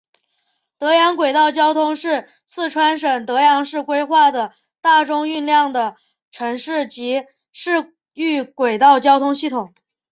德阳轨道交通是四川省德阳市规划的大中运量的城市及市域轨道交通系统。